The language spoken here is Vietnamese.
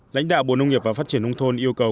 lãnh đạo bộ nông nghiệp và phát triển nông thôn yêu cầu